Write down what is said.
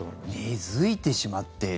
根付いてしまっている。